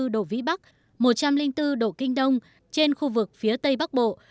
độ vĩ bắc một trăm linh bốn độ kinh đông trên khu vực phía tây bắc bộ